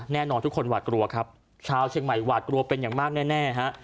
แน่นอนทุกคนหวาดกลัวครับชาวเชียงใหม่หวาดกลัวเป็นอย่างมากแน่ฮะ